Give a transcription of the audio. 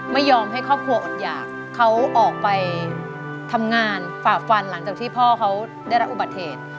ไม่ยอมให้ครอบครัวอดหยากเขาออกไปทำงานฝ่าฟันหลังจากที่พ่อเขาได้รับอุบัติเหตุ